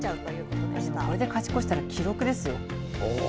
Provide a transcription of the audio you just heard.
これで勝ち越したら記録ですよ。